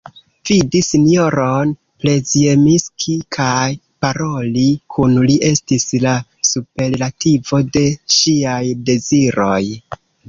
Vidi sinjoron Przyjemski kaj paroli kun li estis la superlativo de ŝiaj deziroj.